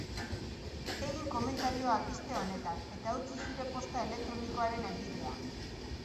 Egin komentarioa albiste honetan eta utzi zure posta elektronikoaren helbidea.